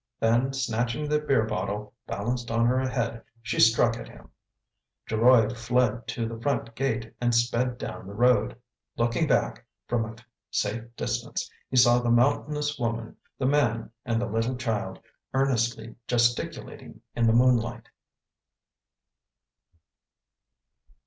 Then, snatching the beer bottle balanced on her head she struck at him. Geroid fled to the front gate and sped down the road. Looking back, from a safe distance, he saw the mountainous woman, the man, and the little child earnestly gesticulating in the moonlight.